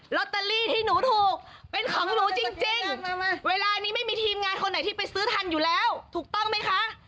ลอตเตอรี่ที่หนูถูกเป็นของหนูจริงเวลานี้ไม่มีทีมงานคนไหนที่ไปซื้อทันอยู่แล้วถูกต้องไหมคะ